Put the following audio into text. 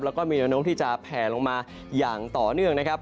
แล้วก็มีแนวโน้มที่จะแผ่ลงมาอย่างต่อเนื่องนะครับ